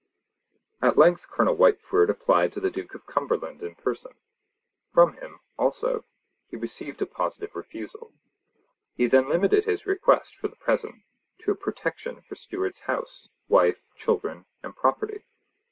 At length Colonel Whitefoord applied to the Duke of Cumberland in person. From him, also, he received a positive refusal. He then limited his request, for the present, to a protection for Stewart's house, wife, children, and property.